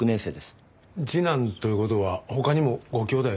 次男という事は他にもご兄弟が？